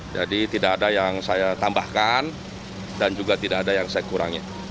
jadi tidak ada yang saya tambahkan dan juga tidak ada yang saya kurangi